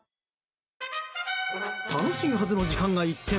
楽しいはずの時間が一転！